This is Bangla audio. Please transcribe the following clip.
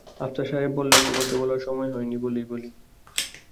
আফসার সাহেব বললেন, তোমাকে বলার সময় হয় নি বলেই বলি নি।